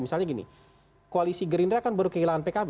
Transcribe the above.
misalnya gini koalisi gerindra kan baru kehilangan pkb